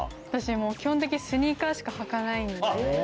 私、基本的にスニーカーしか履かないので。